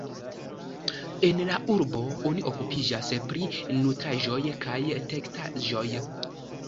En la urbo oni okupiĝas pri nutraĵoj kaj teksaĵoj.